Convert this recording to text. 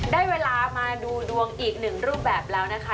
ได้เวลามาดูดวงอีกหนึ่งรูปแบบแล้วนะคะ